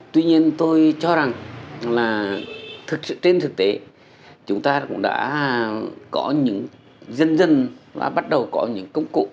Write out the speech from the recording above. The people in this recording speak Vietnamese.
tuy nhiên tôi cho rằng là trên thực tế chúng ta cũng đã có những dân dân đã bắt đầu có những công cụ